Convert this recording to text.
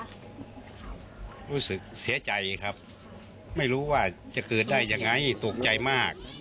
รู้สึกเสียใจครับไม่รู้ว่าจะเกิดได้ยังไงตกใจมาก